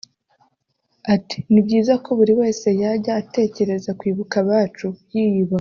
Ati “Ni byiza ko buri wese yajya atekereza kwibuka abacu yiyubaka